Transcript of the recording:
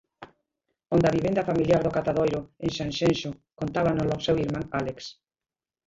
Onda a vivenda familiar do Catadoiro, en Sanxenxo, contábanolo seu irmán Álex.